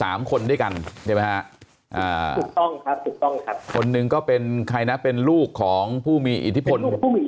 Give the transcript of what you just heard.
สามคนด้วยกันใช่ไหมฮะคนนึงก็เป็นใครนะเป็นลูกของผู้มีอิทธิพล